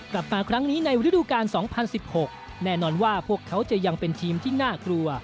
กลับมาครั้งนี้ในฤดูกาล๒๐๑๖แน่นอนว่าพวกเขาจะยังเป็นทีมที่น่ากลัว